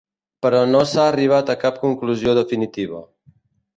Però no s'ha arribat a cap conclusió definitiva.